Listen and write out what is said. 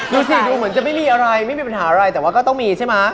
ดูสิดูเหมือนจะไม่มีอะไรไม่มีปัญหาอะไรแต่ว่าก็ต้องมีใช่ไหม